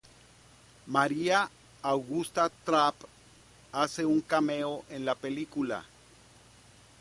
Maria Augusta Trapp hace un cameo en la película.